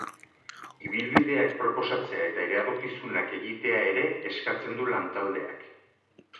Ibilbideak proposatzea eta iradokizunak egitea ere eskatzen du lan-taldeak.